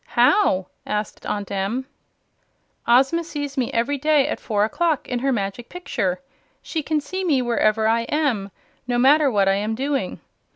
"How?" asked Aunt Em. "Ozma sees me every day at four o'clock, in her Magic Picture. She can see me wherever I am, no matter what I am doing.